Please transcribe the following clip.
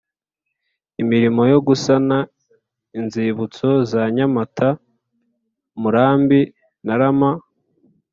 Imirimo yo gusana inzibutso za Nyamata Murambi Ntarama